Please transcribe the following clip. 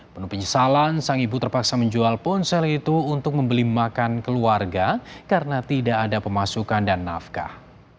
penuh penyesalan sang ibu terpaksa menjual ponsel itu untuk membeli makan keluarga karena tidak ada pemasukan dan nafkah